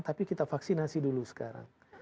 tapi kita vaksinasi dulu sekarang